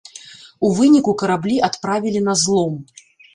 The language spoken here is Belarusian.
У выніку, караблі адправілі на злом.